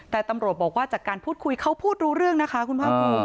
แต่ตำรวจบอกว่าจากการพูดคุยเขาพูดรู้เรื่องนะคะคุณภาคภูมิ